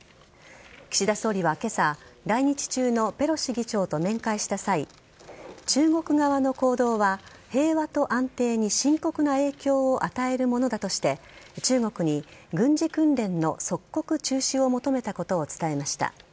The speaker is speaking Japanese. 岸田総理は今朝来日中のペロシ議長と面会した際中国側の行動は平和と安定に深刻な影響を与えるものだとして中国に軍事訓練の即刻中止を求めたことを伝えました。